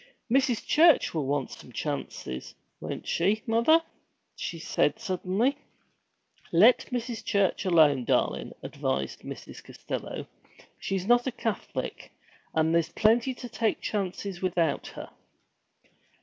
'Mrs. Church will want some chances, won't she, mother?' she said suddenly. 'Let Mrs. Church alone, darlin',' advised Mrs. Costello. 'She's not a Catholic, and there's plenty to take chances without her!'